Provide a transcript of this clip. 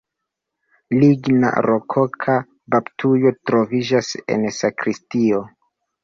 Ligna rokoka baptujo troviĝas en sakristio.